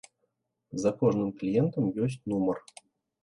За кожным кліентам ёсць нумар.